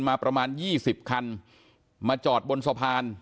มาประมาณ๒๐คันมาจอดบนสะพาน